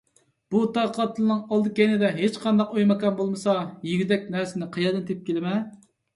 بۇ تاغ قاپتىلىنىڭ ئالدى - كەينىدە ھېچقانداق ئۆي - ماكان بولمىسا، يېگۈدەك نەرسىنى قەيەردىن تېپىپ كېلىمەن؟